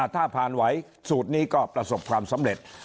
ถ้าผ่านไหวสูตรนี้ก็ประสบความสำเร็จ